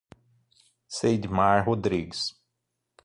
Ceidmar Rodrigues